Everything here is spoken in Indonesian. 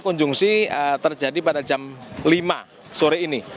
konjungsi terjadi pada jam lima sore ini